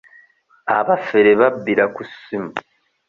Abafere babbira ku ssimu.